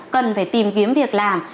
cần phải tìm kiếm việc làm